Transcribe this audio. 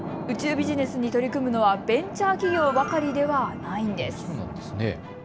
宇宙ビジネスに取り組むのはベンチャー企業ばかりではないんです。